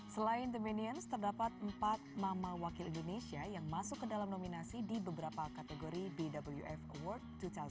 selain the minions terdapat empat mama wakil indonesia yang masuk ke dalam nominasi di beberapa kategori bwf award dua ribu dua puluh